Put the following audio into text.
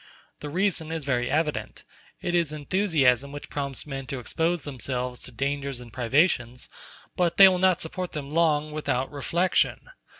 The reason is very evident; it is enthusiasm which prompts men to expose themselves to dangers and privations, but they will not support them long without reflection.